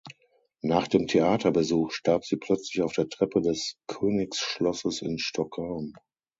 Nach dem Theaterbesuch starb sie plötzlich auf der Treppe des Königsschlosses in Stockholm.